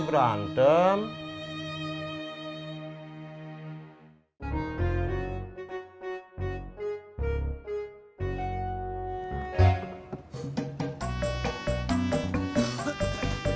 lu mului nanya bookpat lainnya ada